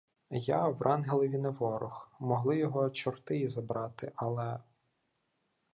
Я Врангелеві не ворог, могли його чорти і забрати, але.